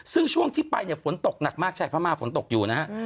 ซึ่งช่วงที่ไปเนี่ยฝนตกหนักมากใช่พม่าฝนตกอยู่นะฮะ